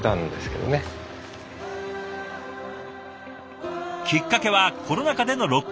きっかけはコロナ禍でのロックダウン。